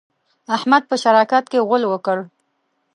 احمد په شراکت کې غول وکړل.